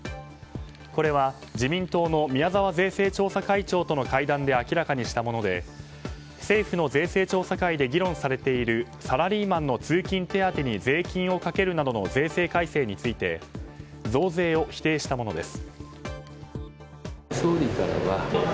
これは、自民党の宮沢税制調査会長との会談で明らかにしたもので政府の税制調査会で議論されているサラリーマンの通勤手当に税金をかけるなどの税制改正について増税を否定したものです。